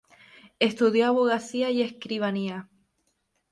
Estudió abogacía y escribanía.